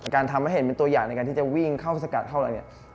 ทำให้เห็นเป็นตัวอย่างในการที่จะวิ่งเข้าสกัดเข้าอะไรเนี่ย